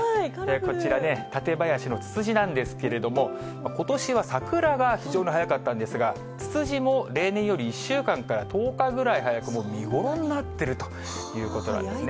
こちらね、舘林のつつじなんですけれども、ことしは桜が非常に早かったんですが、つつじも例年より１週間から１０日ぐらい早く、もう見頃になっているということなんですね。